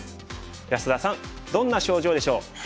安田さんどんな症状でしょう？